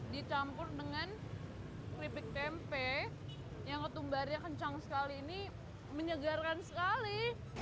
dicampur dengan keripik tempe yang ketumbarnya kencang sekali ini menyegarkan sekali